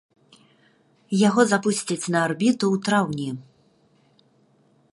Яго запусцяць на арбіту ў траўні.